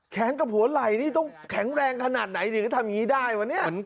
กับหัวไหล่นี่ต้องแข็งแรงขนาดไหนถึงจะทำอย่างนี้ได้วะเนี่ย